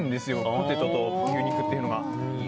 ポテトと牛肉というのが。